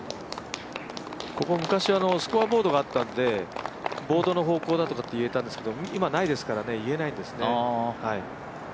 ここ昔、スコアボードがあったんでボードの方向だとかって言えたんですけど今、ないですからね言えないですね。